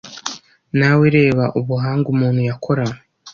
nawe reba ubuhanga umuntu yakoranywe